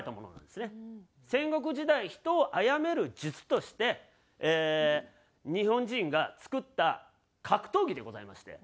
戦国時代人をあやめる術として日本人が作った格闘技でございまして。